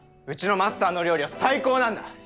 うちのマスターの料理は最高なんだ！